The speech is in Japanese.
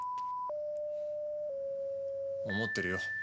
思ってるよ。